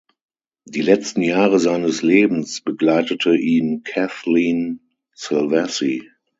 Die letzten Jahre seines Lebens begleitete ihn Kathleen Silvassy.